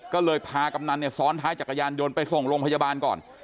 ก็เลยพากำนันเนี่ยซ้อนท้ายจักรยานยนต์ไปส่งโรงพยาบาลก่อน